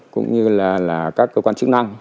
cũng như là các cơ quan chức năng